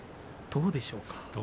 どうでしょうかね